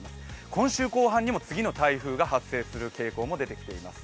今週後半にも次の台風が発生する傾向も出てきています。